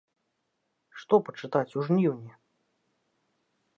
Што пачытаць у жніўні?